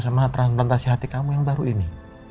sama transplantasi hati kamu yang baru ini